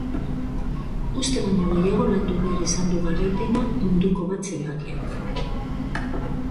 Uste baino gehiago landu behar izan du garaipena munduko bat zenbakiak.